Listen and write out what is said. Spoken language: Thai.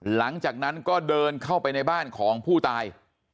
หลังจากนั้นก็เดินเข้าไปในบ้านของผู้ตาย